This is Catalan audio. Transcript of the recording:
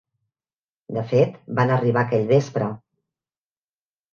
De fet, van arribar aquell vespre